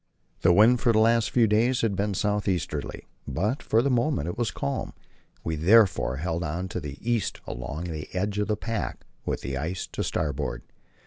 The wind for the last few days had been south easterly, but for the moment it was calm; we therefore held on to the east along the edge of the pack, with the ice to starboard.